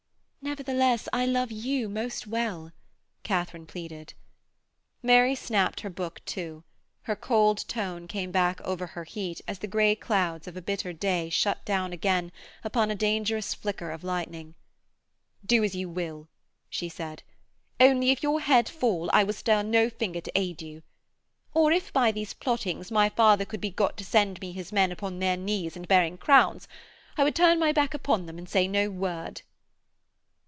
'Nevertheless I love you most well,' Katharine pleaded. Mary snapped her book to. Her cold tone came back over her heat as the grey clouds of a bitter day shut down again upon a dangerous flicker of lightning. 'Do as you will,' she said, 'only if your head fall I will stir no finger to aid you. Or, if by these plottings my father could be got to send me his men upon their knees and bearing crowns, I would turn my back upon them and say no word.'